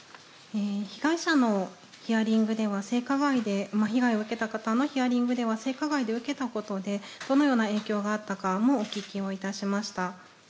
被害者のヒアリングでは、性加害で被害を受けた方のヒアリングでは、性加害を受けたことで、どのような影響があったかもお聞きをいたしました。